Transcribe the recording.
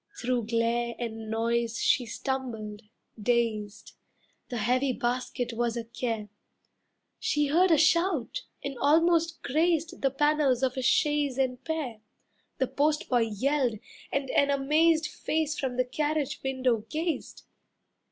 Through glare and noise she stumbled, dazed. The heavy basket was a care. She heard a shout and almost grazed The panels of a chaise and pair. The postboy yelled, and an amazed Face from the carriage window gazed.